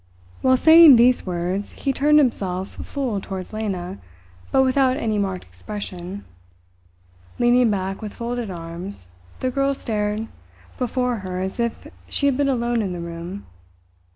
While saying these words he turned himself full towards Lena, but without any marked expression. Leaning back with folded arms, the girl stared before her as if she had been alone in the room.